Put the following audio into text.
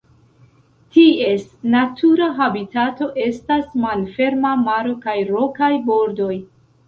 Ties natura habitato estas malferma maro kaj rokaj bordoj.